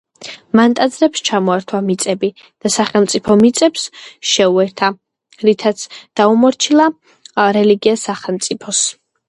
მან ტაძრებს ჩამოართვა მიწები და სახელმწიფო მიწებს შეუერთა, რითაც დაუმორჩილა რელიგია სახელმწიფოს.